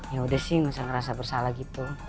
ya udah sih masa ngerasa bersalah gitu